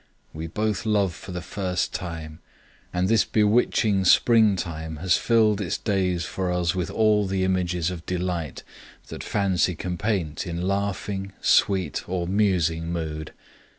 We both love for the first time, and this bewitching springtime has filled its days for us with all the images of delight that fancy can paint in laughing, sweet, or musing mood.